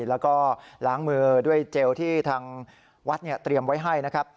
แล้วก็ล้างมือด้วยเจลที่ทางวัดเตรียมไว้ให้นะครับ